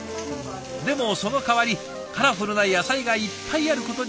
でもそのかわりカラフルな野菜がいっぱいあることに気付き